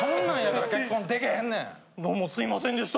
どうもすみませんでした。